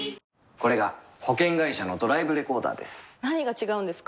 これが保険会社のドライブレコーダーです何が違うんですか？